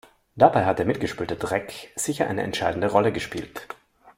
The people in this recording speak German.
Dabei hat der mitgespülte Dreck sicher eine entscheidende Rolle gespielt.